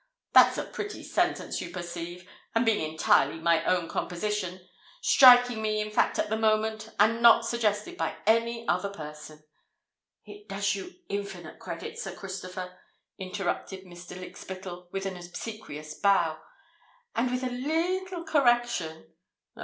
That's a pretty sentence, you perceive; and being entirely my own composition—striking me, in fact, at the moment—and not suggested by any other person——" "It does you infinite credit, Sir Christopher," interrupted Mr. Lykspittal, with an obsequious bow; "and with a leetle correction——" "Oh!